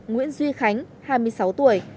nguyễn duy khánh hai mươi sáu tuổi